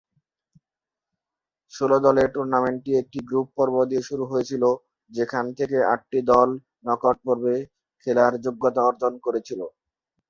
ষোল দলের টুর্নামেন্টটি একটি গ্রুপ পর্ব দিয়ে শুরু হয়েছিল, যেখান থেকে আটটি দল নকআউট পর্বে খেলার যোগ্যতা অর্জন করেছিল।